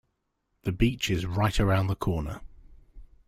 The beach is right around the corner.